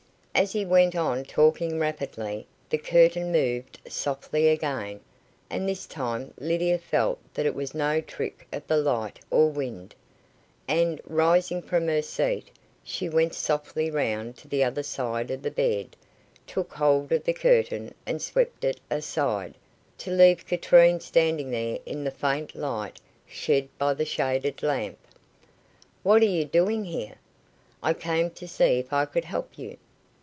As he went on talking rapidly, the curtain moved softly again, and this time Lydia felt that it was no trick of the light or wind, and, rising from her seat, she went softly round to the other side of the bed, took hold of the curtain and swept it aside, to leave Katrine standing there in the faint light shed by the shaded lamp. "What are you doing here?" "I came to see if I could help you."